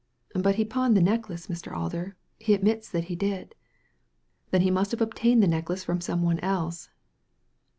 " But he pawned the necklace, Mr. Alder ; he admits that he did." " Then he must have obtained the necklace from some one else."